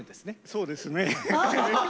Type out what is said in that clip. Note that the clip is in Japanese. そうですね。